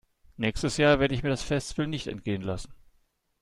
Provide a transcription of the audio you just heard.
Nächstes Jahr werde ich mir das Festival nicht entgehen lassen.